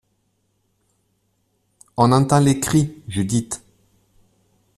On entend les cris : Judith !